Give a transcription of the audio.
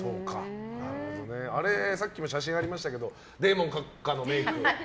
さっきも写真がありましたけどデーモン閣下のメイク。